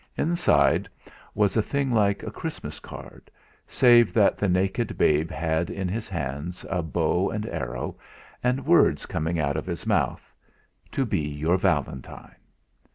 Inside was a thing like a Christmas card, save that the naked babe had in his hands a bow and arrow, and words coming out of his mouth: "To be your Valentine."